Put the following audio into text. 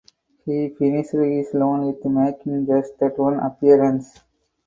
He finished his loan with making just that one appearance.